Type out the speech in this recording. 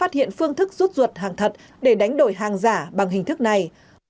họ đã phát hiện phương thức rút ruột hàng thật để đánh đổi hàng giả bằng hình thức này